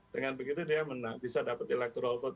dengan begitu dia bisa dapat electoral vote